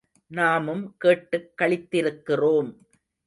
நாமும் கேட்டுக் களித்திருக்கிறோம்.